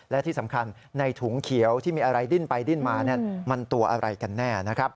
และที่สำคัญในถุงเขียวที่มีอะไรดิ้นไปดิ้นมามันตัวอะไรกันแน่นะครับ